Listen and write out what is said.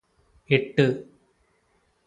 എട്ട്